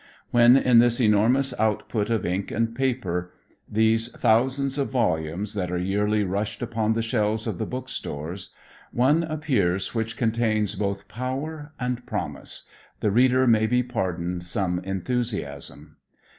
When in this enormous output of ink and paper, these thousands of volumes that are yearly rushed upon the shelves of the book stores, one appears which contains both power and promise, the reader may be pardoned some enthusiasm.